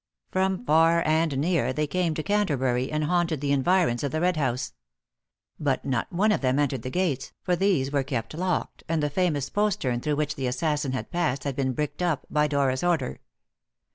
From far and near they came to Canterbury, and haunted the environs of the Red House. But not one of them entered the gates, for these were kept locked, and the famous postern through which the assassin had passed had been bricked up, by Dora's order.